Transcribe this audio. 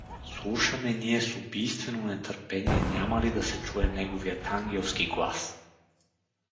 Слушаме ние с убийствено нетърпение няма ли да се чуе неговият ангелски глас.